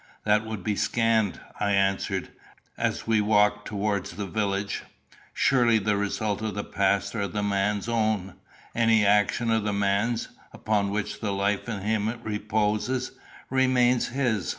"That would be scanned," I answered, as we walked towards the village. "Surely the results of the past are the man's own. Any action of the man's, upon which the life in him reposes, remains his.